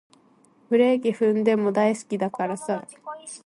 ブレーキ踏んでも大好きだからさ